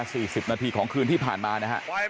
ประมาณ๒๓นาฬิกา๔๐นาทีของคืนที่ผ่านมานะฮะ